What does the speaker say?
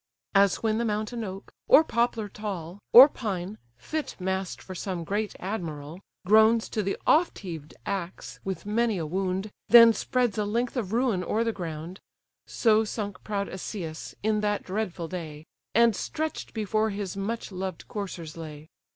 As when the mountain oak, or poplar tall, Or pine, fit mast for some great admiral, Groans to the oft heaved axe, with many a wound, Then spreads a length of ruin o'er the ground: So sunk proud Asius in that dreadful day, And stretch'd before his much loved coursers lay.